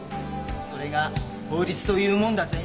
それが法律というもんだぜ。